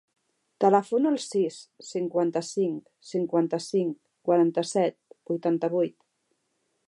Telefona al sis, cinquanta-cinc, cinquanta-cinc, quaranta-set, vuitanta-vuit.